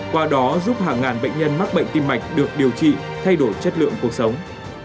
qua đó giúp hàng ngàn bệnh nhân mắc bệnh tim mạch được điều trị thay đổi chất lượng cuộc sống